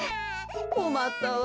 こまったわ。